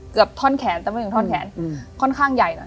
ท่อนแขนแต่ไม่ถึงท่อนแขนค่อนข้างใหญ่หน่อย